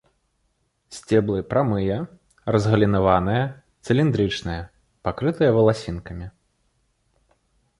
Сцеблы прамыя, разгалінаваныя, цыліндрычныя, пакрытыя валасінкамі.